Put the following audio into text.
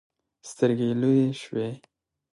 سترګې يې لویې شوې.